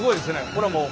これはもう。